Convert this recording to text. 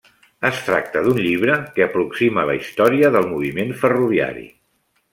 Es tracta d'un llibre que aproxima la història del moviment ferroviari.